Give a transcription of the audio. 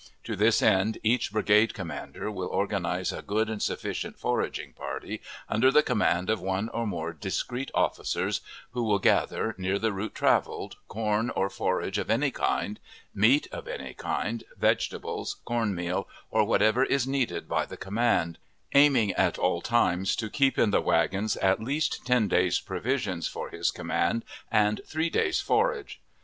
To this end, each brigade commander will organize a good and sufficient foraging party, under the command of one or more discreet officers, who will gather, near the route traveled, corn or forage of any kind, meat of any kind, vegetables, corn meal, or whatever is needed by the command, aiming at all times to keep in the wagons at least ten days' provisions for his command, and three days' forage.